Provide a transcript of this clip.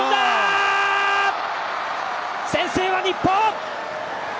先制は日本！